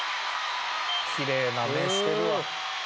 きれいな目してるわ。